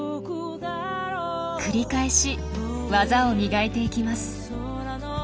繰り返し技を磨いていきます。